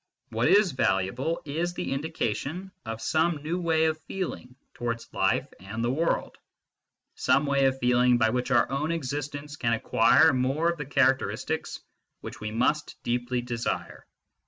What is valuable is the indication of some new way of feeling towards life and the world, some way of feeling by which our own existence can acquire more of the characteristics which we must deeply desire.